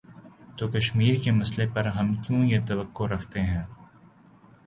تو کشمیر کے مسئلے پر ہم کیوں یہ توقع رکھتے ہیں۔